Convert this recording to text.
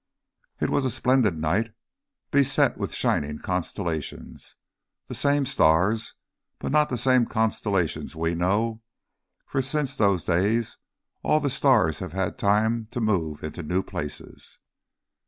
It was a splendid night, beset with shining constellations, the same stars, but not the same constellations we know, for since those days all the stars have had time to move into new places.